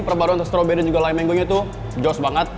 perbaruan strawberry dan juga lime mango itu jauh banget